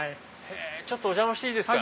ちょっとお邪魔していいですか？